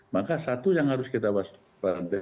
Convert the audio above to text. maka satu yang harus kita waspadai